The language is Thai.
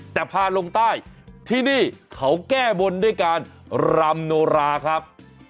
แต่พาลงใต้ที่นี่เขาแก้บนด้วยการรำโนราครับ